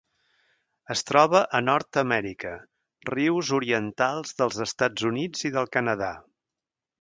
Es troba a Nord-amèrica: rius orientals dels Estats Units i del Canadà.